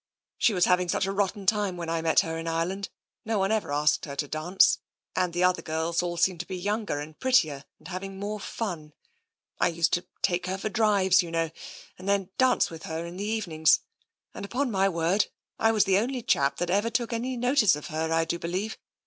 " She was having such a rotten time when I met her in Ireland — no one ever asked her to dance, and the other girls all seemed to be younger and prettier and having more fun. I used to take her for drives, you know, and then dance with her in the evenings; and upon my word, I was the only chap that ever took any notice of her, I do believe.